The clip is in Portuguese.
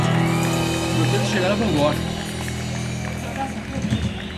Eu tento chegar a Bangor.